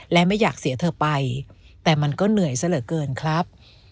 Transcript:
และไม่อยากเสียเธอไปแต่มันก็เหนื่อยซะเหลือเกินครับ